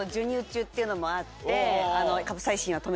っていうのもあって。